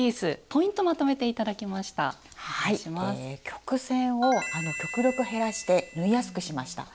曲線を極力減らして縫いやすくしました。